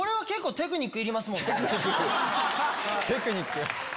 テクニック！